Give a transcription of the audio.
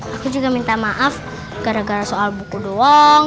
aku juga minta maaf gara gara soal buku doang